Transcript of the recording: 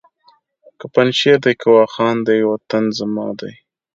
که پنجشېر دی که واخان دی وطن زما دی